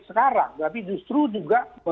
sekarang tapi justru juga